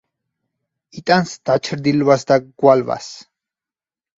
იტანს დაჩრდილვას და გვალვას.